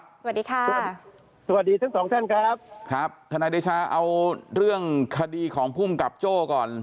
สวัสดีค่ะสวัสดีทั้งสองท่านครับครับทนายเดชาเอาเรื่องคดีของภูมิกับโจ้ก่อน